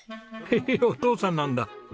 ヘヘッお父さんなんだ。